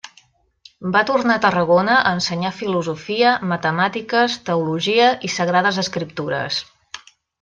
Va tornar a Tarragona a ensenyar filosofia, matemàtiques, teologia i sagrades escriptures.